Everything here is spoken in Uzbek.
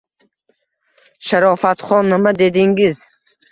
Sharofatxon, nima dedingiz